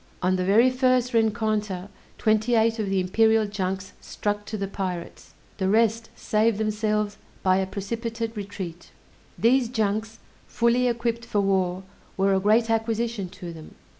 On the very first rencontre, twenty eight of the imperial junks struck to the pirates; the rest saved themselves by a precipitate retreat. These junks, fully equipped for war, were a great acquisition to them.